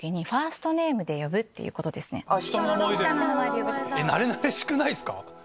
下の名前で⁉なれなれしくないっすか？